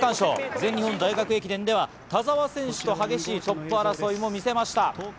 全日本大学駅伝では田澤選手と激しいトップ争いを見せました。